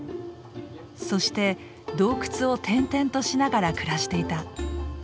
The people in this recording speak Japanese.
そして洞窟を点々としながら暮らしていた。